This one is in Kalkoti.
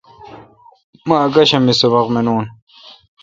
مہ اکاشم می سبق منون۔